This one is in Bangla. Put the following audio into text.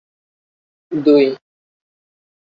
দুই